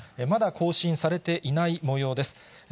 まだ更新されていないもようです。